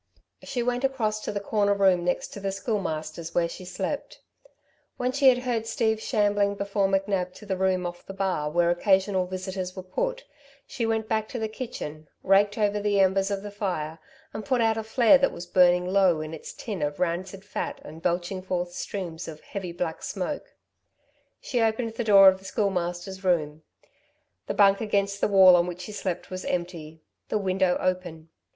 She went across to the corner room next the Schoolmaster's, where she slept. When she had heard Steve shambling before NcNab to the room off the bar where occasional visitors were put, she went back to the kitchen, raked over the embers of the fire, and put out a flare that was burning low in its tin of rancid fat and belching forth streams of heavy black smoke. She opened the door of the Schoolmaster's room. The bunk against the wall on which he slept was empty, the window open.